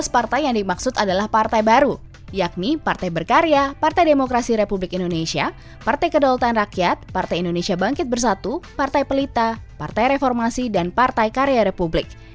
tujuh belas partai yang dimaksud adalah partai baru yakni partai berkarya partai demokrasi republik indonesia partai kedaulatan rakyat partai indonesia bangkit bersatu partai pelita partai reformasi dan partai karya republik